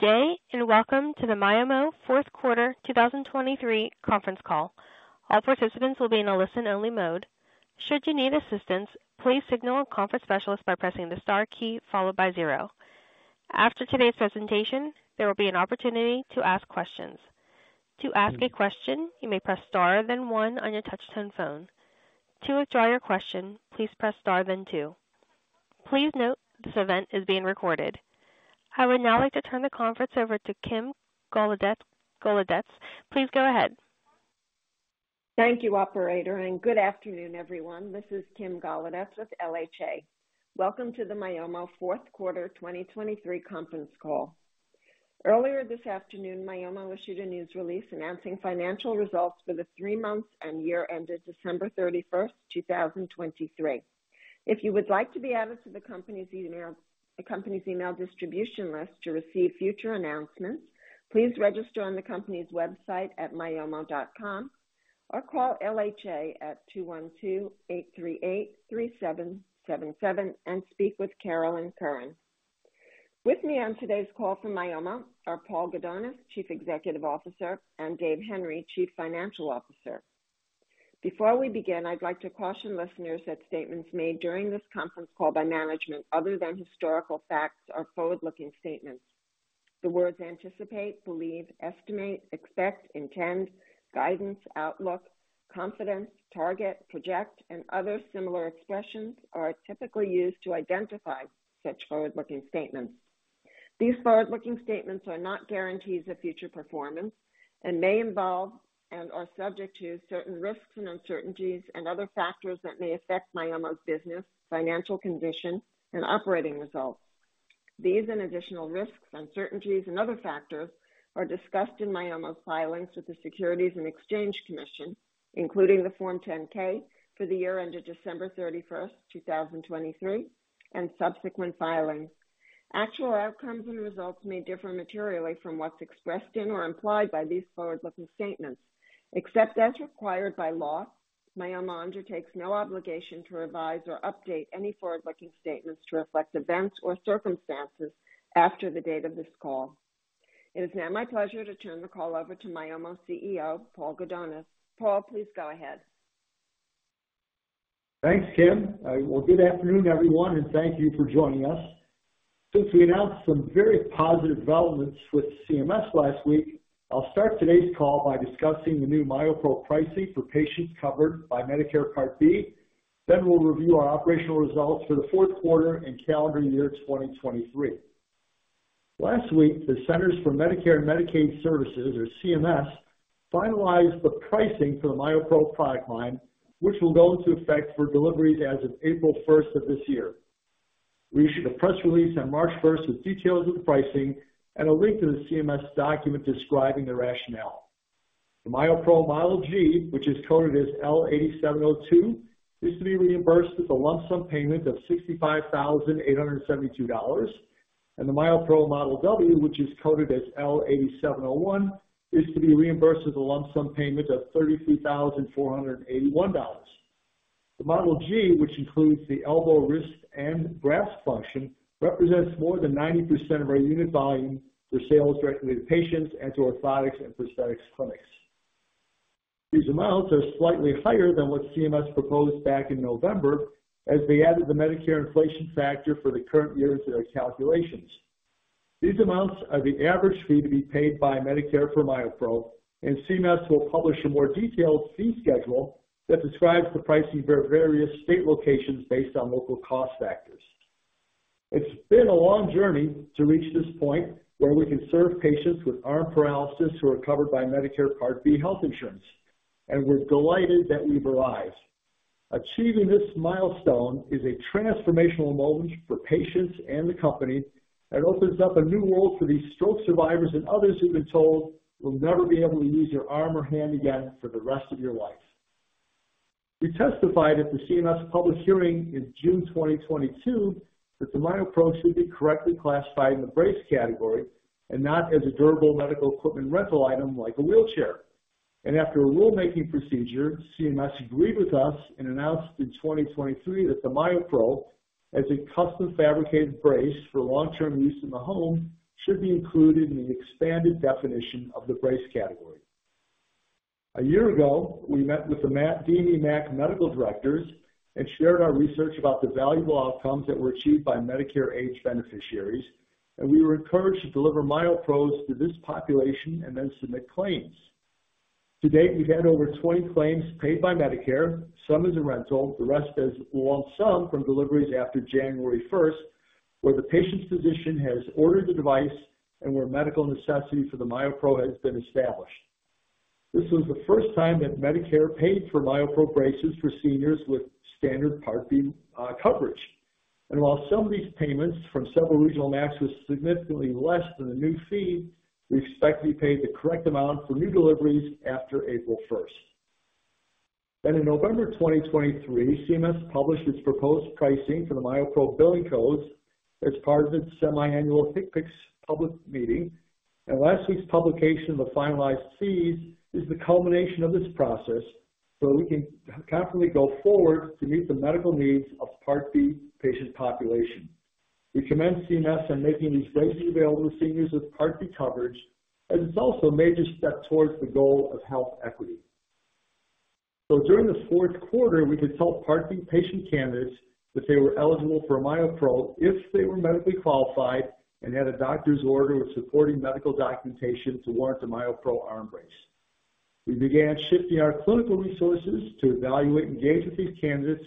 Good day and welcome to the Myomo fourth quarter 2023 conference call. All participants will be in a listen-only mode. Should you need assistance, please signal a conference specialist by pressing the star key followed by zero. After today's presentation, there will be an opportunity to ask questions. To ask a question, you may press star then one on your touch-tone phone. To withdraw your question, please press star then two. Please note this event is being recorded. I would now like to turn the conference over to Kim Golodetz. Golodetz, please go ahead. Thank you, operator, and good afternoon, everyone. This is Kim Golodetz with LHA. Welcome to the Myomo fourth quarter 2023 conference call. Earlier this afternoon, Myomo issued a news release announcing financial results for the three-month and year-ended December 31st, 2023. If you would like to be added to the company's email distribution list to receive future announcements, please register on the company's website at myomo.com or call LHA at 212-838-3777 and speak with Carolyn Curran. With me on today's call from Myomo are Paul Gudonis, Chief Executive Officer, and Dave Henry, Chief Financial Officer. Before we begin, I'd like to caution listeners that statements made during this conference call by management, other than historical facts, are forward-looking statements. The words anticipate, believe, estimate, expect, intend, guidance, outlook, confidence, target, project, and other similar expressions are typically used to identify such forward-looking statements. These forward-looking statements are not guarantees of future performance and may involve and are subject to certain risks and uncertainties and other factors that may affect Myomo's business, financial condition, and operating results. These and additional risks, uncertainties, and other factors are discussed in Myomo's filings with the Securities and Exchange Commission, including the Form 10-K for the year-ended December 31st, 2023, and subsequent filings. Actual outcomes and results may differ materially from what's expressed in or implied by these forward-looking statements. Except as required by law, Myomo undertakes no obligation to revise or update any forward-looking statements to reflect events or circumstances after the date of this call. It is now my pleasure to turn the call over to Myomo CEO, Paul Gudonis. Paul, please go ahead. Thanks, Kim. Well, good afternoon, everyone, and thank you for joining us. Since we announced some very positive developments with CMS last week, I'll start today's call by discussing the new MyoPro pricing for patients covered by Medicare Part B, then we'll review our operational results for the fourth quarter and calendar year 2023. Last week, the Centers for Medicare and Medicaid Services, or CMS, finalized the pricing for the MyoPro product line, which will go into effect for deliveries as of April 1st of this year. We issued a press release on March 1st with details of the pricing and a link to the CMS document describing the rationale. The MyoPro Model G, which is coded as L8702, is to be reimbursed with a lump sum payment of $65,872, and the MyoPro Model W, which is coded as L8701, is to be reimbursed with a lump sum payment of $33,481. The Model G, which includes the elbow, wrist, and grasp function, represents more than 90% of our unit volume for sales directly to patients and to orthotics and prosthetics clinics. These amounts are slightly higher than what CMS proposed back in November as they added the Medicare inflation factor for the current year into their calculations. These amounts are the average fee to be paid by Medicare for MyoPro, and CMS will publish a more detailed fee schedule that describes the pricing for various state locations based on local cost factors. It's been a long journey to reach this point where we can serve patients with arm paralysis who are covered by Medicare Part B health insurance, and we're delighted that we've arrived. Achieving this milestone is a transformational moment for patients and the company that opens up a new world for these stroke survivors and others who've been told they'll never be able to use their arm or hand again for the rest of your life. We testified at the CMS public hearing in June 2022 that the MyoPro should be correctly classified in the brace category and not as a durable medical equipment rental item like a wheelchair. After a rulemaking procedure, CMS agreed with us and announced in 2023 that the MyoPro, as a custom-fabricated brace for long-term use in the home, should be included in the expanded definition of the brace category. A year ago, we met with the DME MAC Medical Directors and shared our research about the valuable outcomes that were achieved by Medicare-age beneficiaries, and we were encouraged to deliver MyoPros to this population and then submit claims. To date, we've had over 20 claims paid by Medicare, some as a rental, the rest as lump sum from deliveries after January 1st where the patient's physician has ordered the device and where medical necessity for the MyoPro has been established. This was the first time that Medicare paid for MyoPro braces for seniors with standard Part B coverage. And while some of these payments from several regional MACs were significantly less than the new fee, we expect to be paid the correct amount for new deliveries after April 1st. Then in November 2023, CMS published its proposed pricing for the MyoPro billing codes as part of its semi-annual HCPCS public meeting, and last week's publication of the finalized fees is the culmination of this process so that we can confidently go forward to meet the medical needs of Part B patient population. We commend CMS on making these braces available to seniors with Part B coverage, as it's also a major step towards the goal of health equity. So during the fourth quarter, we could tell Part B patient candidates that they were eligible for a MyoPro if they were medically qualified and had a doctor's order with supporting medical documentation to warrant a MyoPro arm brace. We began shifting our clinical resources to evaluate and engage with these candidates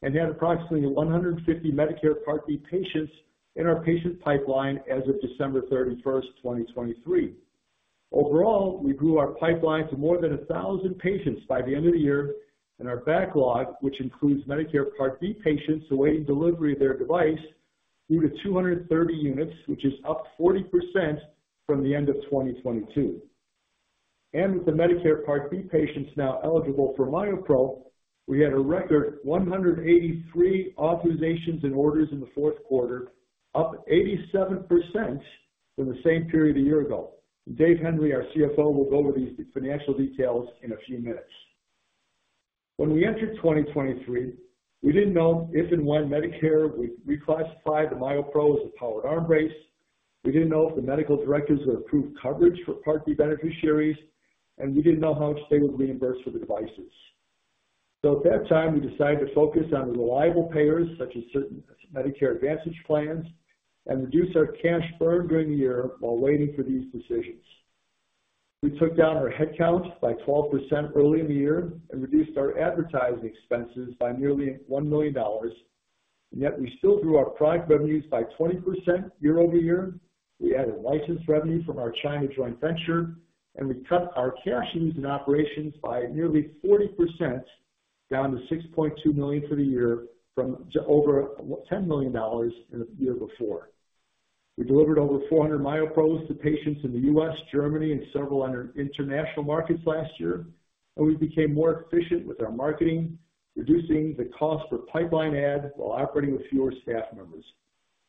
and had approximately 150 Medicare Part B patients in our patient pipeline as of December 31st, 2023. Overall, we grew our pipeline to more than 1,000 patients by the end of the year, and our backlog, which includes Medicare Part B patients awaiting delivery of their device, grew to 230 units, which is up 40% from the end of 2022. With the Medicare Part B patients now eligible for MyoPro, we had a record 183 authorizations and orders in the fourth quarter, up 87% from the same period a year ago. Dave Henry, our CFO, will go over these financial details in a few minutes. When we entered 2023, we didn't know if and when Medicare would reclassify the MyoPro as a powered arm brace. We didn't know if the medical directors would approve coverage for Part B beneficiaries, and we didn't know how much they would reimburse for the devices. So at that time, we decided to focus on reliable payers such as certain Medicare Advantage plans and reduce our cash burn during the year while waiting for these decisions. We took down our headcount by 12% early in the year and reduced our advertising expenses by nearly $1 million, and yet we still grew our product revenues by 20% year-over-year. We added license revenue from our China joint venture, and we cut our cash use in operations by nearly 40% down to 6.2 million for the year from over $10 million in the year before. We delivered over 400 MyoPros to patients in the U.S., Germany, and several other international markets last year, and we became more efficient with our marketing, reducing the cost for pipeline add while operating with fewer staff members.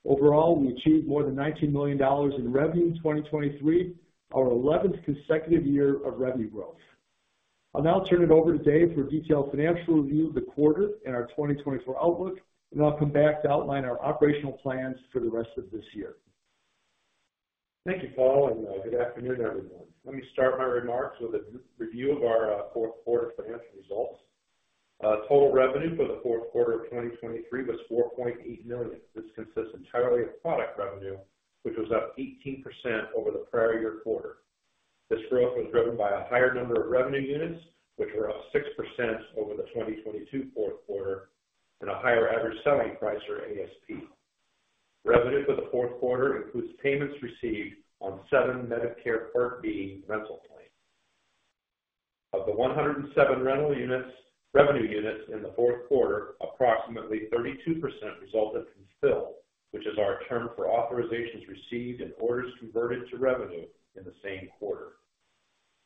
Overall, we achieved more than $19 million in revenue in 2023, our 11th consecutive year of revenue growth. I'll now turn it over to Dave for a detailed financial review of the quarter and our 2024 outlook, and I'll come back to outline our operational plans for the rest of this year. Thank you, Paul, and good afternoon, everyone. Let me start my remarks with a review of our fourth quarter financial results. Total revenue for the fourth quarter of 2023 was 4.8 million. This consists entirely of product revenue, which was up 18% over the prior year quarter. This growth was driven by a higher number of revenue units, which were up 6% over the 2022 fourth quarter, and a higher average selling price, or ASP. Revenue for the fourth quarter includes payments received on seven Medicare Part B rental claims. Of the 107 revenue units in the fourth quarter, approximately 32% resulted from fill, which is our term for authorizations received and orders converted to revenue in the same quarter.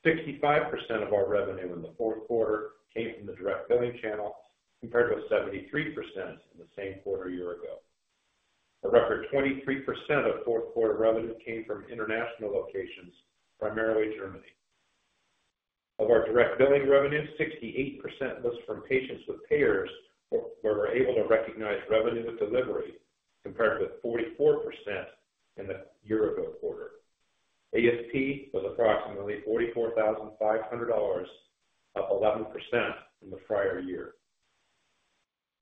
65% of our revenue in the fourth quarter came from the direct billing channel compared with 73% in the same quarter a year ago. A record 23% of fourth quarter revenue came from international locations, primarily Germany. Of our direct billing revenue, 68% was from patients with payers where we're able to recognize revenue with delivery compared with 44% in the year-ago quarter. ASP was approximately $44,500, up 11% in the prior year.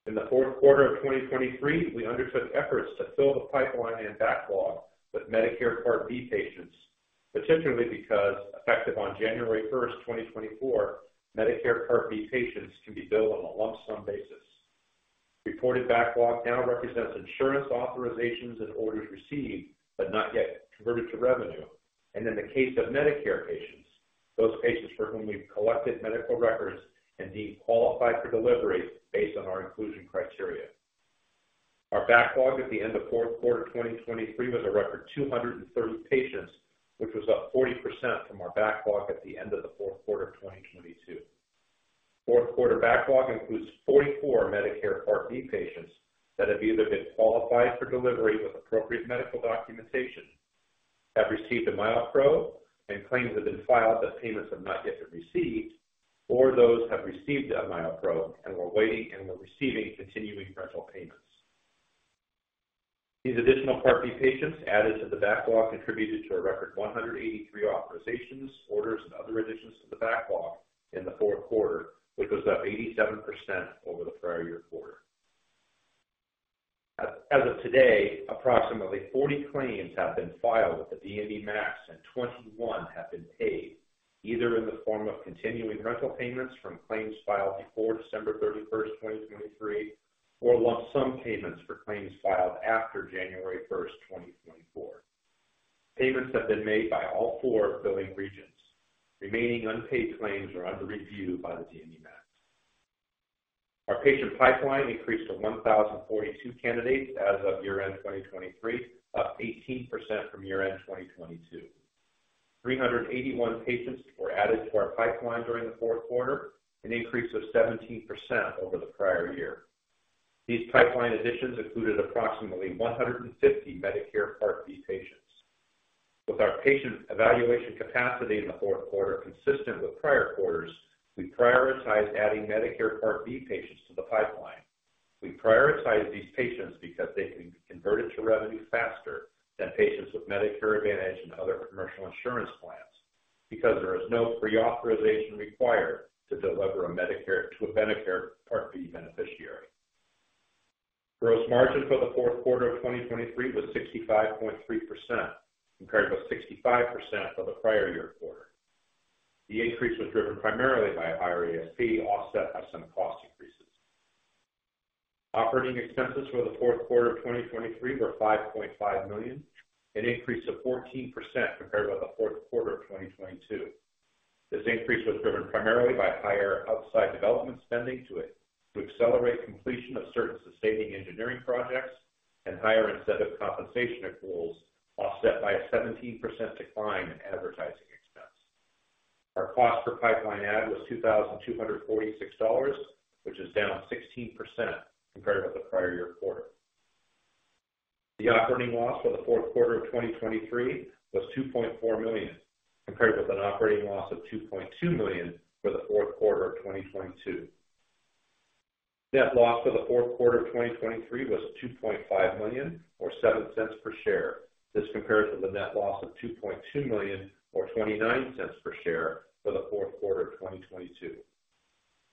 In the fourth quarter of 2023, we undertook efforts to fill the pipeline and backlog with Medicare Part B patients, particularly because, effective on January 1st, 2024, Medicare Part B patients can be billed on a lump sum basis. Reported backlog now represents insurance authorizations and orders received but not yet converted to revenue, and in the case of Medicare patients, those patients for whom we've collected medical records and deemed qualified for delivery based on our inclusion criteria. Our backlog at the end of fourth quarter 2023 was a record 230 patients, which was up 40% from our backlog at the end of the fourth quarter of 2022. Fourth quarter backlog includes 44 Medicare Part B patients that have either been qualified for delivery with appropriate medical documentation, have received a MyoPro, and claims have been filed that payments have not yet been received, or those have received a MyoPro and were waiting and were receiving continuing rental payments. These additional Part B patients added to the backlog contributed to a record 183 authorizations, orders, and other additions to the backlog in the fourth quarter, which was up 87% over the prior year quarter. As of today, approximately 40 claims have been filed with the DME MAC. MAC, and 21 have been paid, either in the form of continuing rental payments from claims filed before December 31st, 2023, or lump sum payments for claims filed after January 1st, 2024. Payments have been made by all four billing regions. Remaining unpaid claims are under review by the DME MAC. Our patient pipeline increased to 1,042 candidates as of year-end 2023, up 18% from year-end 2022. 381 patients were added to our pipeline during the fourth quarter, an increase of 17% over the prior year. These pipeline additions included approximately 150 Medicare Part B patients. With our patient evaluation capacity in the fourth quarter consistent with prior quarters, we prioritized adding Medicare Part B patients to the pipeline. We prioritized these patients because they can be converted to revenue faster than patients with Medicare Advantage and other commercial insurance plans because there is no pre-authorization required to deliver a Medicare to a Medicare Part B beneficiary. Gross margin for the fourth quarter of 2023 was 65.3% compared with 65% for the prior year quarter. The increase was driven primarily by a higher ASP offset of some cost increases. Operating expenses for the fourth quarter of 2023 were 5.5 million, an increase of 14% compared with the fourth quarter of 2022. This increase was driven primarily by higher outside development spending to accelerate completion of certain sustaining engineering projects and higher incentive compensation accruals offset by a 17% decline in advertising expense. Our cost per pipeline ad was $2,246, which is down 16% compared with the prior year quarter. The operating loss for the fourth quarter of 2023 was 2.4 million compared with an operating loss of 2.2 million for the fourth quarter of 2022. Net loss for the fourth quarter of 2023 was 2.5 million or 0.07 per share. This compares with the net loss of 2.2 million or 0.29 per share for the fourth quarter of 2022.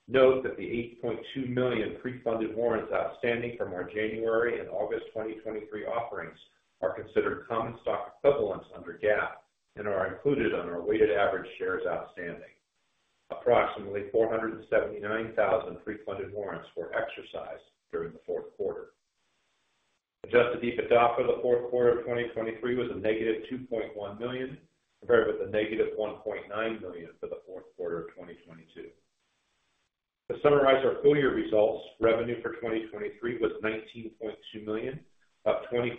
Note that the 8.2 million pre-funded warrants outstanding from our January and August 2023 offerings are considered common stock equivalents under GAAP and are included on our weighted average shares outstanding. Approximately 479,000 pre-funded warrants were exercised during the fourth quarter. Adjusted EBITDA for the fourth quarter of 2023 was -2.1 million compared with -1.9 million for the fourth quarter of 2022. To summarize our full year results, revenue for 2023 was 19.2 million, up 24%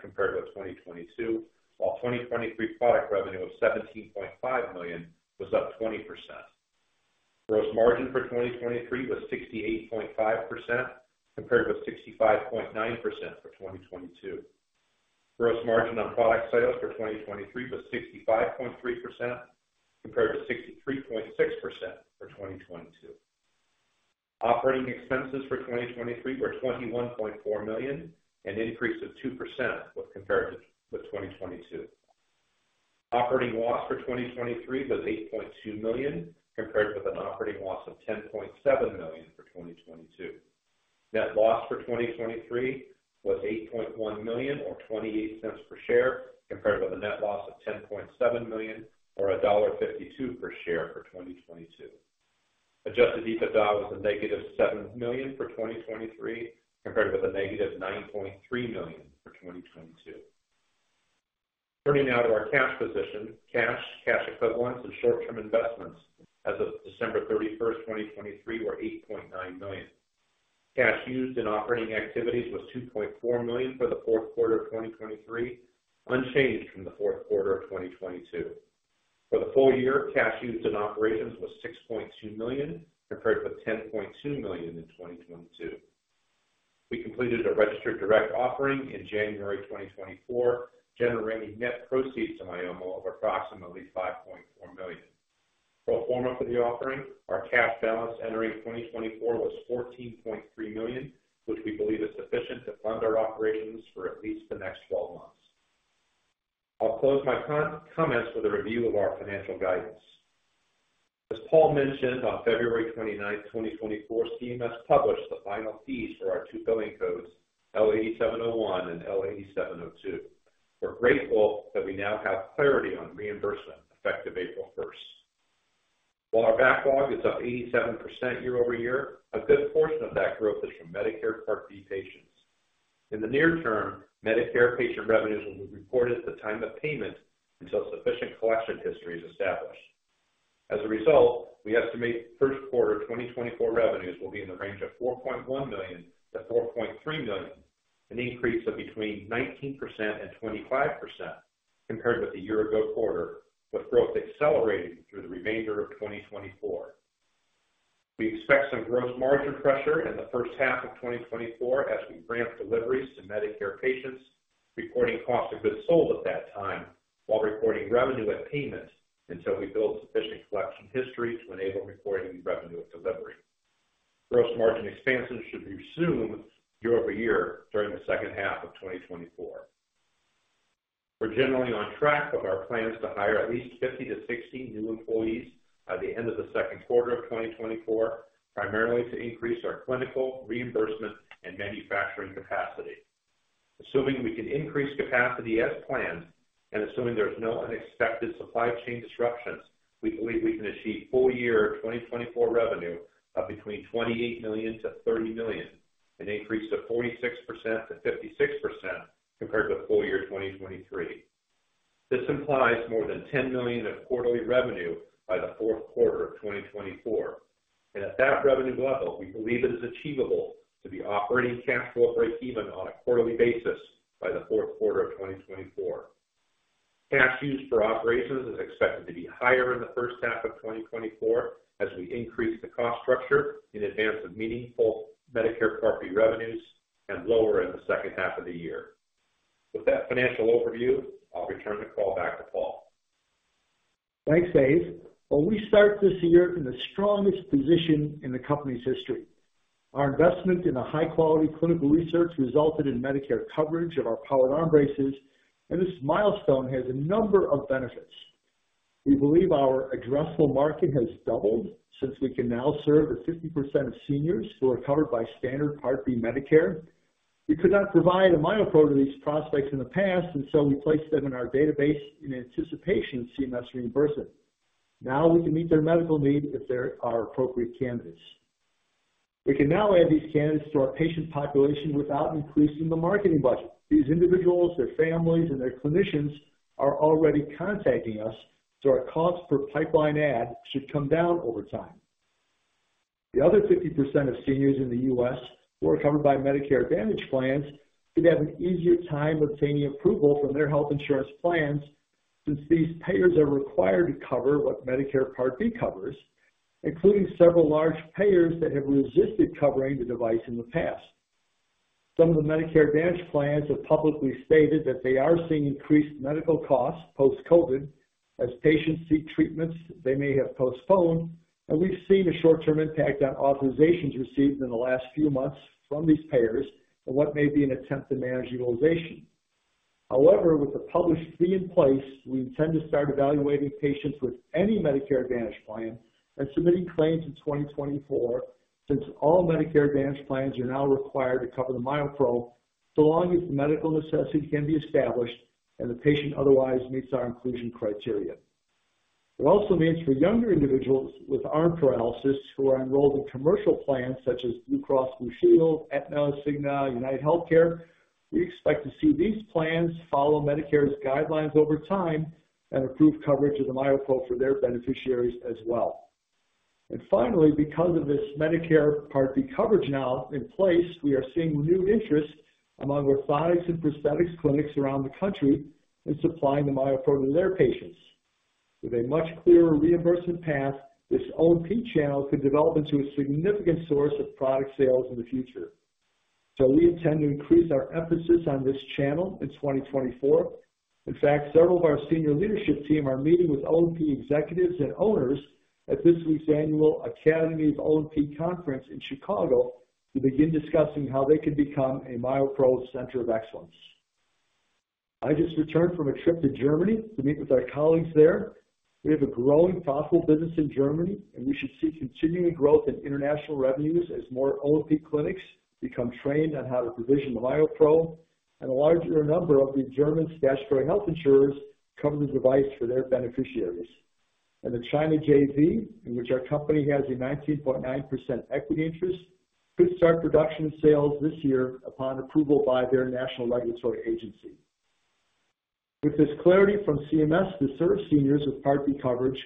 compared with 2022, while 2023 product revenue of 17.5 million was up 20%. Gross margin for 2023 was 68.5% compared with 65.9% for 2022. Gross margin on product sales for 2023 was 65.3% compared with 63.6% for 2022. Operating expenses for 2023 wre $21.4 million, an increase of 2% compared with 2022. Operating loss for 2023 was 8.2 million compared with an operating loss of 10.7 million for 2022. Net loss for 2023 was 8.1 million or0.28 per share compared with a net loss of $10.7 million or $1.52 per share for 2022. Adjusted EBITDA was a negative 7million for 2023 compared with a negative 9.3 million for 2022. Turning now to our cash position, cash, cash equivalents, and short-term investments as of December 31st, 2023, were 8.9 million. Cash used in operating activities was 2.4 million for the fourth quarter of 2023, unchanged from the fourth quarter of 2022. For the full year, cash used in operations was 6.2 million compared with $10.2 million in 2022. We completed a registered direct offering in January 2024, generating net proceeds to Myomo of approximately 5.4 million. Pro forma for the offering, our cash balance entering 2024 was 14.3 million, which we believe is sufficient to fund our operations for at least the next 12 months. I'll close my comments with a review of our financial guidance. As Paul mentioned, on February 29th, 2024, CMS published the final fees for our two billing codes, L8701 and L8702. We're grateful that we now have clarity on reimbursement effective April 1st. While our backlog is up 87% year-over-year, a good portion of that growth is from Medicare Part B patients. In the near term, Medicare patient revenues will be reported at the time of payment until sufficient collection history is established. As a result, we estimate first quarter 2024 revenues will be in the range of 4.1 million-4.3 million, an increase of between 19% and 25% compared with the year-ago quarter, with growth accelerating through the remainder of 2024. We expect some gross margin pressure in the first half of 2024 as we grant deliveries to Medicare patients, reporting cost of goods sold at that time while reporting revenue at payment until we build sufficient collection history to enable reporting revenue at delivery. Gross margin expansion should resume year-over-year during the second half of 2024. We're generally on track with our plans to hire at least 50-60 new employees by the end of the second quarter of 2024, primarily to increase our clinical, reimbursement, and manufacturing capacity. Assuming we can increase capacity as planned and assuming there's no unexpected supply chain disruptions, we believe we can achieve full year 2024 revenue of between 28 million-30 million, an increase of 46%-56% compared with full year 2023. This implies more than $10 million of quarterly revenue by the fourth quarter of 2024. At that revenue level, we believe it is achievable to be operating cash flow break-even on a quarterly basis by the fourth quarter of 2024. Cash used for operations is expected to be higher in the first half of 2024 as we increase the cost structure in advance of meaningful Medicare Part B revenues and lower in the second half of the year. With that financial overview, I'll return the call back to Paul. Thanks, Dave. Well, we start this year in the strongest position in the company's history. Our investment in the high-quality clinical research resulted in Medicare coverage of our powered arm braces, and this milestone has a number of benefits. We believe our addressable market has doubled since we can now serve the 50% of seniors who are covered by standard Part B Medicare. We could not provide a MyoPro to these prospects in the past, and so we placed them in our database in anticipation of CMS reimbursement. Now we can meet their medical need if they are appropriate candidates. We can now add these candidates to our patient population without increasing the marketing budget. These individuals, their families, and their clinicians are already contacting us, so our cost per pipeline ad should come down over time. The other 50% of seniors in the U.S. who are covered by Medicare Advantage plans should have an easier time obtaining approval from their health insurance plans since these payers are required to cover what Medicare Part B covers, including several large payers that have resisted covering the device in the past. Some of the Medicare Advantage plans have publicly stated that they are seeing increased medical costs post-COVID as patients seek treatments they may have postponed, and we've seen a short-term impact on authorizations received in the last few months from these payers and what may be an attempt to manage utilization. However, with the published fee in place, we intend to start evaluating patients with any Medicare Advantage plan and submitting claims in 2024 since all Medicare Advantage plans are now required to cover the MyoPro so long as the medical necessity can be established and the patient otherwise meets our inclusion criteria. It also means for younger individuals with arm paralysis who are enrolled in commercial plans such as Blue Cross Blue Shield, Aetna, Cigna, UnitedHealthcare, we expect to see these plans follow Medicare's guidelines over time and improve coverage of the MyoPro for their beneficiaries as well. And finally, because of this Medicare Part B coverage now in place, we are seeing renewed interest among orthotics and prosthetics clinics around the country in supplying the MyoPro to their patients. With a much clearer reimbursement path, this O&P channel could develop into a significant source of product sales in the future. So we intend to increase our emphasis on this channel in 2024. In fact, several of our senior leadership team are meeting with O&P executives and owners at this week's annual Academy of O&P conference in Chicago to begin discussing how they could become a MyoPro Center of Excellence. I just returned from a trip to Germany to meet with our colleagues there. We have a growing, profitable business in Germany, and we should see continuing growth in international revenues as more O&P clinics become trained on how to provision the MyoPro, and a larger number of the German statutory health insurers cover the device for their beneficiaries. The China JV, in which our company has a 19.9% equity interest, could start production and sales this year upon approval by their national regulatory agency. With this clarity from CMS to serve seniors with Part B coverage,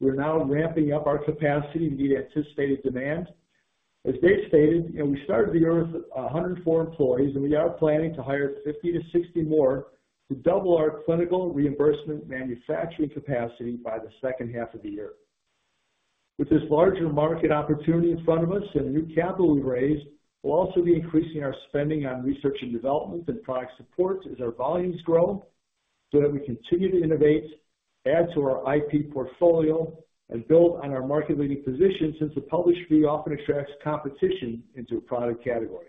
we're now ramping up our capacity to meet anticipated demand. As Dave stated, we started the year with 104 employees, and we are planning to hire 50-60 more to double our clinical reimbursement manufacturing capacity by the second half of the year. With this larger market opportunity in front of us and new capital we've raised, we'll also be increasing our spending on research and development and product support as our volumes grow so that we continue to innovate, add to our IP portfolio, and build on our market-leading position since the published fee often attracts competition into a product category.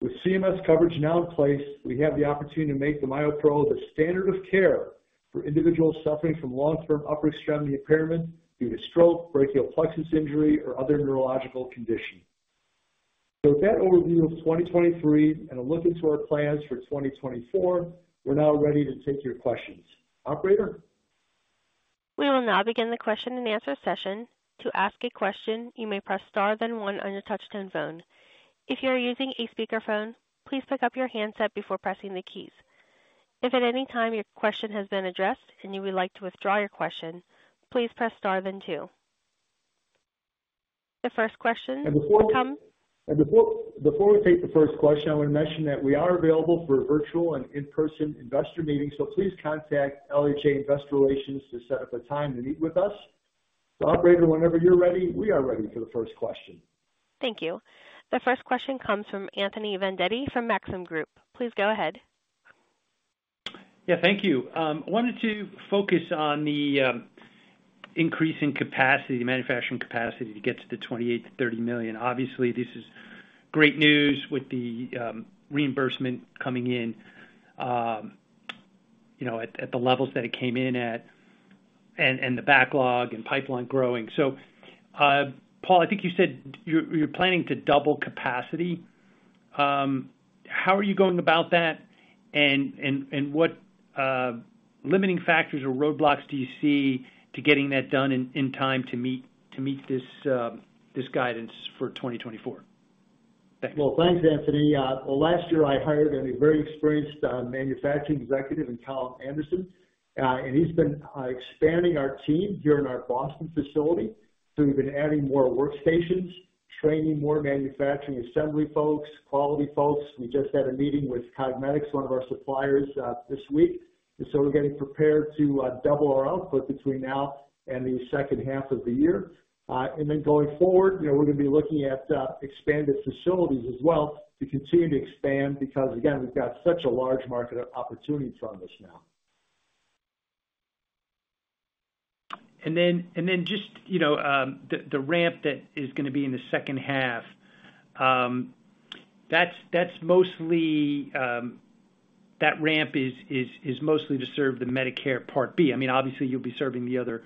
With CMS coverage now in place, we have the opportunity to make the MyoPro the standard of care for individuals suffering from long-term upper extremity impairment due to stroke, brachial plexus injury, or other neurological condition. So with that overview of 2023 and a look into our plans for 2024, we're now ready to take your questions. Operator? We will now begin the question and answer session. To ask a question, you may press star then one on your touch-tone phone. If you are using a speakerphone, please pick up your handset before pressing the keys. If at any time your question has been addressed and you would like to withdraw your question, please press star then two. The first question comes. And before we take the first question, I want to mention that we are available for virtual and in-person investor meetings, so please contact LHA Investor Relations to set up a time to meet with us. So operator, whenever you're ready, we are ready for the first question. Thank you. The first question comes from Anthony Vendetti from Maxim Group. Please go ahead. Yeah, thank you. I wanted to focus on the increase in capacity, the manufacturing capacity to get to the 28-30 million. Obviously, this is great news with the reimbursement coming in at the levels that it came in at and the backlog and pipeline growing. So Paul, I think you said you're planning to double capacity. How are you going about that, and what limiting factors or roadblocks do you see to getting that done in time to meet this guidance for 2024? Thanks. Well, thanks, Anthony. Well, last year, I hired a very experienced manufacturing executive in Cullion Anderson, and he's been expanding our team here in our Boston facility. So we've been adding more workstations, training more manufacturing assembly folks, quality folks. We just had a meeting with Cogmedix, one of our suppliers, this week, and so we're getting prepared to double our output between now and the second half of the year. And then going forward, we're going to be looking at expanded facilities as well to continue to expand because, again, we've got such a large market opportunity from this now. And then just the ramp that is going to be in the second half, that's mostly that ramp is mostly to serve the Medicare Part B. I mean, obviously, you'll be serving the other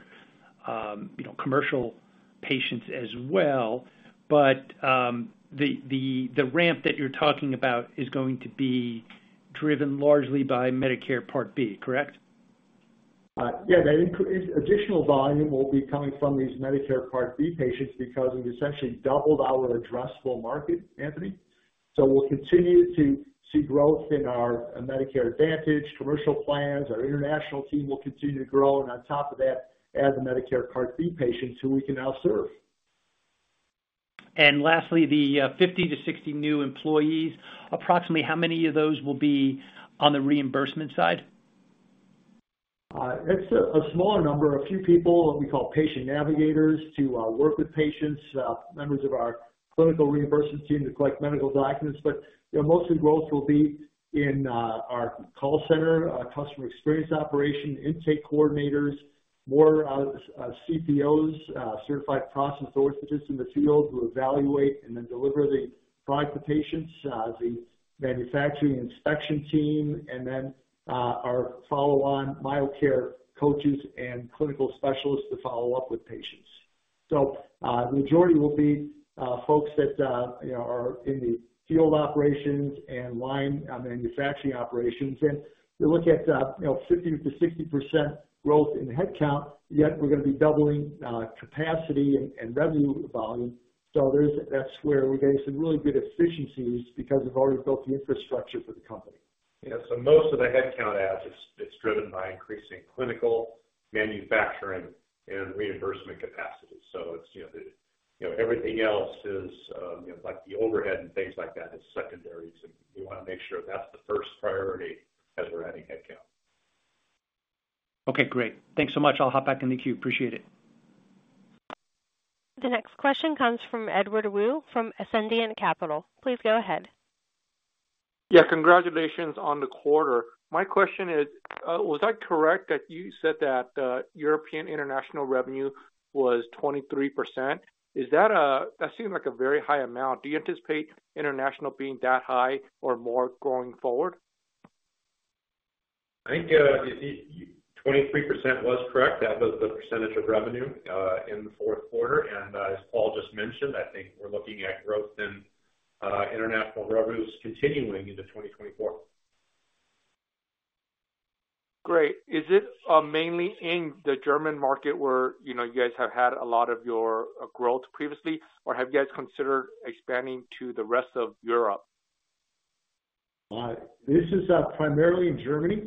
commercial patients as well, but the ramp that you're talking about is going to be driven largely by Medicare Part B, correct? Yeah, that additional volume will be coming from these Medicare Part B patients because we've essentially doubled our addressable market, Anthony. So we'll continue to see growth in our Medicare Advantage commercial plans. Our international team will continue to grow, and on top of that, add the Medicare Part B patients who we can now serve. Lastly, the 50-60 new employees, approximately how many of those will be on the reimbursement side? That's a smaller number, a few people that we call patient navigators to work with patients, members of our clinical reimbursement team to collect medical documents. But most of the growth will be in our call center, customer experience operation, intake coordinators, more CPOs, certified prosthetist orthotists in the field who evaluate and then deliver the product to patients, the manufacturing inspection team, and then our follow-on MyoCare coaches and clinical specialists to follow up with patients. So the majority will be folks that are in the field operations and line manufacturing operations. And we look at 50%-60% growth in headcount, yet we're going to be doubling capacity and revenue volume. So that's where we're getting some really good efficiencies because we've already built the infrastructure for the company. Yeah, so most of the headcount adds, it's driven by increasing clinical, manufacturing, and reimbursement capacity. So everything else is like the overhead and things like that is secondary, so we want to make sure that's the first priority as we're adding headcount. Okay, great. Thanks so much. I'll hop back in the queue. Appreciate it. The next question comes from Edward Woo from Ascendiant Capital. Please go ahead. Yeah, congratulations on the quarter. My question is, was that correct that you said that European international revenue was 23%? That seemed like a very high amount. Do you anticipate international being that high or more growing forward? I think 23% was correct. That was the percentage of revenue in the fourth quarter. As Paul just mentioned, I think we're looking at growth in international revenues continuing into 2024. Great. Is it mainly in the German market where you guys have had a lot of your growth previously, or have you guys considered expanding to the rest of Europe? This is primarily in Germany,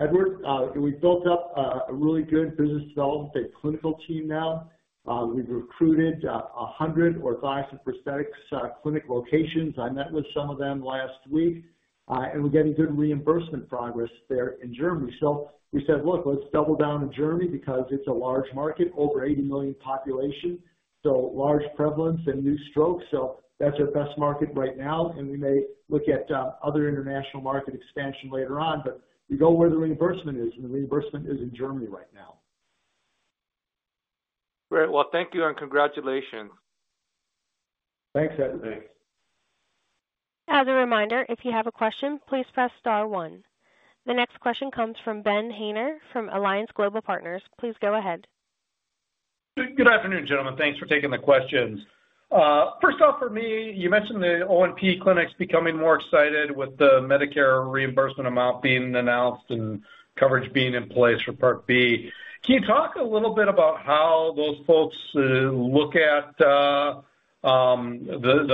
Edward. We've built up a really good business development and clinical team now. We've recruited 100 orthotics and prosthetics clinic locations. I met with some of them last week, and we're getting good reimbursement progress there in Germany. So we said, "Look, let's double down in Germany because it's a large market, over 80 million population, so large prevalence and new strokes." So that's our best market right now, and we may look at other international market expansion later on, but we go where the reimbursement is, and the reimbursement is in Germany right now. Great. Well, thank you and congratulations. Thanks, Edward. Thanks. As a reminder, if you have a question, please press star one. The next question comes from Ben Haynor from Alliance Global Partners. Please go ahead. Good afternoon, gentlemen. Thanks for taking the questions. First off, for me, you mentioned the O&P clinics becoming more excited with the Medicare reimbursement amount being announced and coverage being in place for Part B. Can you talk a little bit about how those folks look at the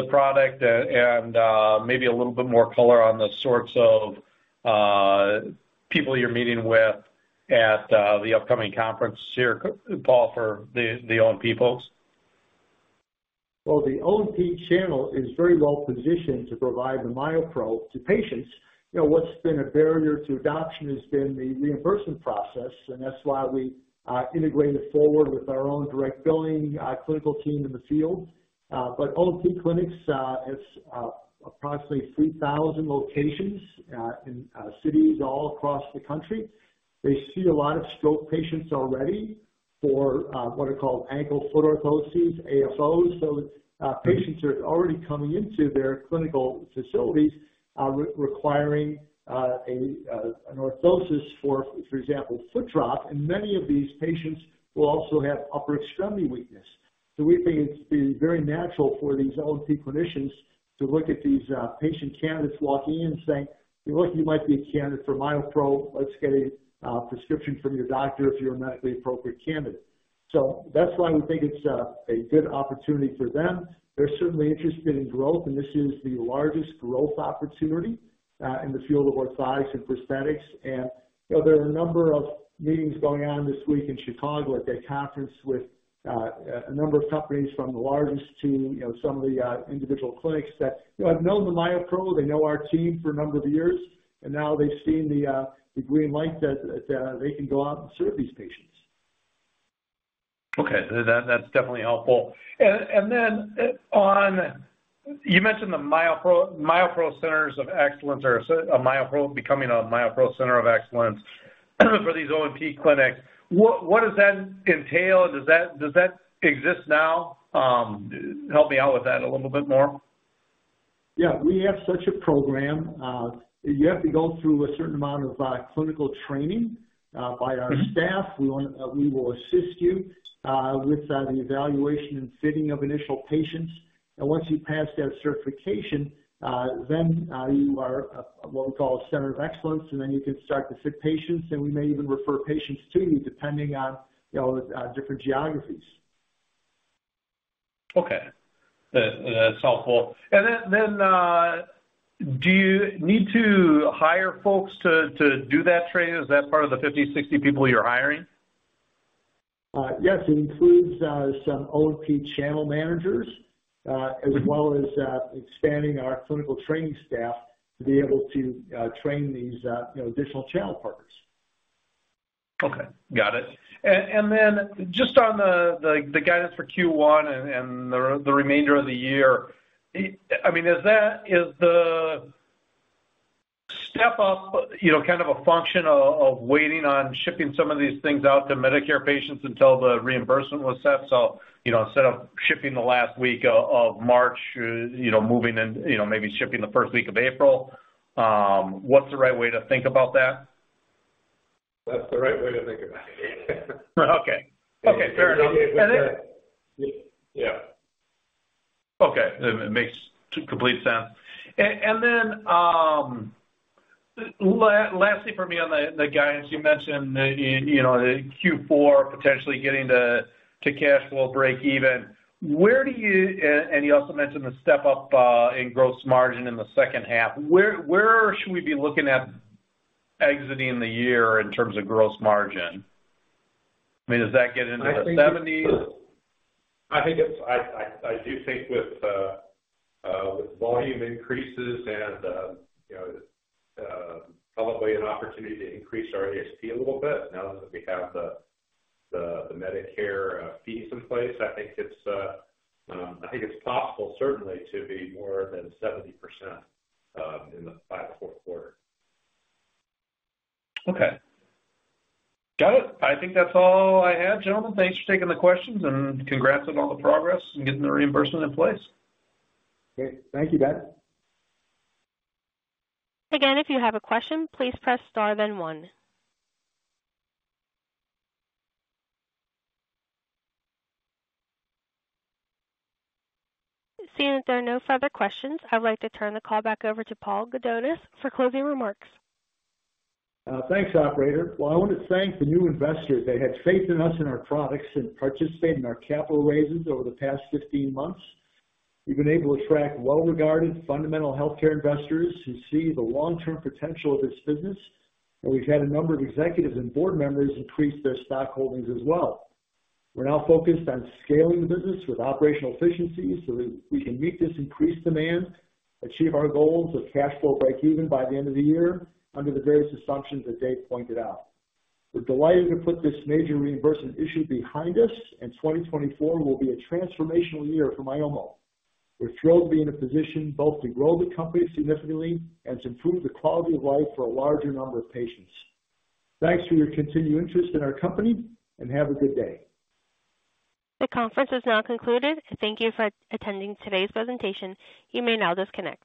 product and maybe a little bit more color on the sorts of people you're meeting with at the upcoming conference here, Paul, for the O&P folks? Well, the O&P channel is very well positioned to provide the MyoPro to patients. What's been a barrier to adoption has been the reimbursement process, and that's why we integrated forward with our own direct billing clinical team in the field. But O&P clinics, it's approximately 3,000 locations in cities all across the country. They see a lot of stroke patients already for what are called ankle-foot orthoses, AFOs. So patients are already coming into their clinical facilities requiring an orthosis for, for example, foot drop, and many of these patients will also have upper extremity weakness. So we think it's very natural for these O&P clinicians to look at these patient candidates walking in and saying, "Look, you might be a candidate for MyoPro. Let's get a prescription from your doctor if you're a medically appropriate candidate." So that's why we think it's a good opportunity for them. They're certainly interested in growth, and this is the largest growth opportunity in the field of orthotics and prosthetics. There are a number of meetings going on this week in Chicago at that conference with a number of companies from the largest to some of the individual clinics that have known the MyoPro. They know our team for a number of years, and now they've seen the green light that they can go out and serve these patients. Okay, that's definitely helpful. And then you mentioned the MyoPro centers of excellence or becoming a MyoPro Center of Excellence for these O&P clinics. What does that entail, and does that exist now? Help me out with that a little bit more. Yeah, we have such a program. You have to go through a certain amount of clinical training by our staff. We will assist you with the evaluation and fitting of initial patients. Once you pass that certification, then you are what we call a Center of Excellence, and then you can start to fit patients, and we may even refer patients to you depending on different geographies. Okay, that's helpful. And then do you need to hire folks to do that training? Is that part of the 50, 60 people you're hiring? Yes, it includes some O&P channel managers as well as expanding our clinical training staff to be able to train these additional channel partners. Okay, got it. And then just on the guidance for Q1 and the remainder of the year, I mean, is the step up kind of a function of waiting on shipping some of these things out to Medicare patients until the reimbursement was set? So instead of shipping the last week of March, moving and maybe shipping the first week of April, what's the right way to think about that? That's the right way to think about it. Okay. Okay, fair enough. And then. Yeah. Yeah. Okay, it makes complete sense. And then lastly for me on the guidance, you mentioned Q4 potentially getting to cash flow break-even. Where do you and you also mentioned the step up in gross margin in the second half. Where should we be looking at exiting the year in terms of gross margin? I mean, does that get into the 70s? I do think with volume increases and probably an opportunity to increase our ASP a little bit now that we have the Medicare fees in place, I think it's possible, certainly, to be more than 70% in the fourth quarter. Okay, got it. I think that's all I had, gentlemen. Thanks for taking the questions, and congrats on all the progress and getting the reimbursement in place. Great. Thank you, Ben. Again, if you have a question, please press star then one. Seeing that there are no further questions, I'd like to turn the call back over to Paul Gudonis for closing remarks. Thanks, operator. Well, I wanted to thank the new investors. They had faith in us and our products and participated in our capital raises over the past 15 months. We've been able to attract well-regarded fundamental healthcare investors who see the long-term potential of this business, and we've had a number of executives and board members increase their stock holdings as well. We're now focused on scaling the business with operational efficiencies so that we can meet this increased demand, achieve our goals of cash flow break-even by the end of the year under the various assumptions that Dave pointed out. We're delighted to put this major reimbursement issue behind us, and 2024 will be a transformational year for Myomo. We're thrilled to be in a position both to grow the company significantly and to improve the quality of life for a larger number of patients. Thanks for your continued interest in our company, and have a good day. The conference is now concluded. Thank you for attending today's presentation. You may now disconnect.